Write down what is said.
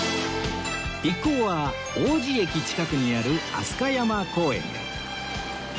一行は王子駅近くにある飛鳥山公園へ